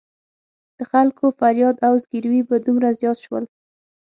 د خلکو فریاد او زګېروي به دومره زیات شول.